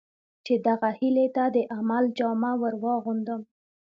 چې دغه هیلې ته د عمل جامه ور واغوندم.